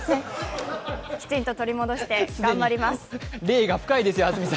きちんと取り戻して頑張ります。